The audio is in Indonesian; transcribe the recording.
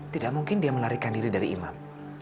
tidak mungkin dia menarikan diri dari imam